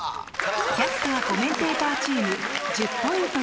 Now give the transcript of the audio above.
キャスター・コメンテーターチーム１０ポイント